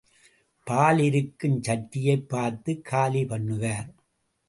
பால் இருக்கும் சட்டியைப் பார்த்துக் காலி பண்ணுவார்.